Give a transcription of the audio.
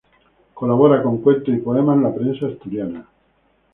Colabora con cuentos y poemas en la prensa asturiana.